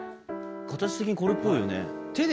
形的にこれっぽいよね。